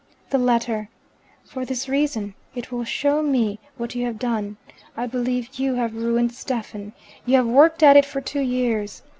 "The letter. For this reason: it will show me what you have done. I believe you have ruined Stephen. You have worked at it for two years.